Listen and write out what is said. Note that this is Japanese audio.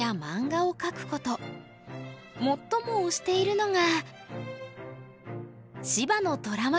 最も推しているのが。